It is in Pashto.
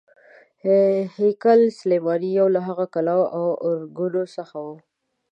هیکل سلیماني یو له هغو کلاوو او ارګونو څخه و.